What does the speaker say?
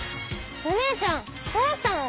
お姉ちゃんどうしたの⁉